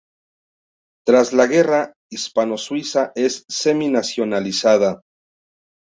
Tras la guerra, Hispano Suiza es semi-nacionalizada.